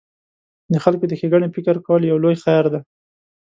د خلکو د ښېګڼې فکر کول یو لوی خیر دی.